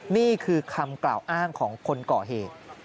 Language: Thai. นี่คือคำกล่าวอ้างของคนก่อเหตุ